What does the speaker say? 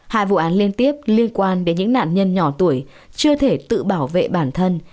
hai vụ án liên tiếp liên quan đến những nạn nhân nhỏ tuổi chưa thể tự bảo vệ bản thân